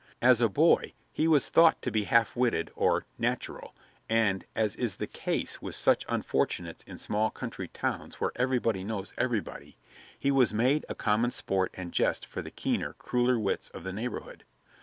As a boy he was thought to be half witted or "natural," and, as is the case with such unfortunates in small country towns where everybody knows everybody, he was made a common sport and jest for the keener, crueler wits of the neighborhood.